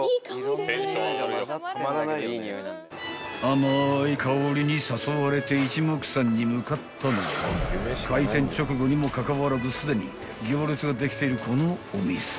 ［甘い香りに誘われて一目散に向かったのは開店直後にもかかわらずすでに行列ができているこのお店］